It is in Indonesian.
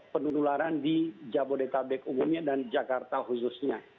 penularan di jabodetabek umumnya dan jakarta khususnya